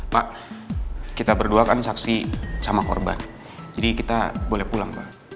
pak kita berdua kan saksi sama korban jadi kita boleh pulang pak